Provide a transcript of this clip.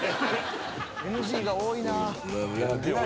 「ＮＧが多いな」